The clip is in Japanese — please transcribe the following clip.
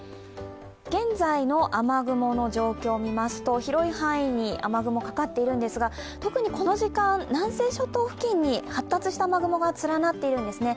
現在の雨雲の状況を見ますと広い範囲に雨雲がかかっているんですが特にこの時間、南西諸島付近に発達した雨雲が連なっているんですね。